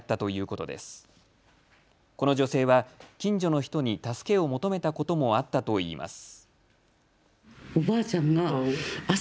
この女性は近所の人に助けを求めたこともあったといいます。